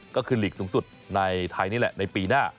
ก็คือหลีกสูงสุดในไทยนี่แหละในปีหน้า